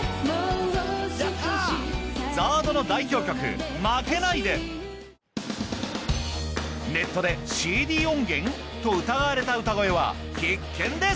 ＺＡＲＤ の代表曲ネットで「ＣＤ 音源？」と疑われた歌声は必見です！